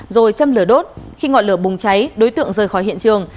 rồi châm lửa đốt khi ngọn lửa bùng cháy đối tượng rời khỏi hiện trường